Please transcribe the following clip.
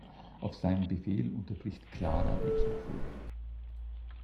Auf seinen Befehl unterbricht Clara die Zufuhr.